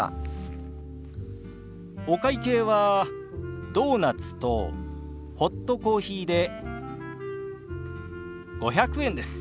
お会計はドーナツとホットコーヒーで５００円です。